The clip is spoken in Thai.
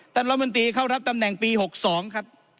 รัฐมนตรีเข้ารับตำแหน่งปี๖๒ครับ